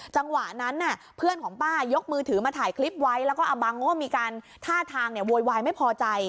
จังหวะนั้นเพื่อนของป้ายกมือถือมาถ่ายคลิปไว้แล้วก็อบังก็มีการท่าทางโวยวายไม่พอใจ